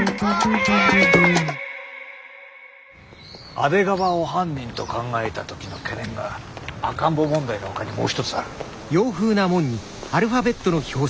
阿出川を犯人と考えた時の懸念が赤ん坊問題のほかにもう一つある。